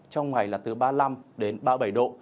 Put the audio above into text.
trong ngày là từ ba mươi năm đến ba mươi bảy độ